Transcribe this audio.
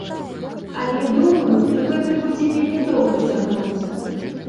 Але думаю, гэта будзе вельмі доўга цягнуцца.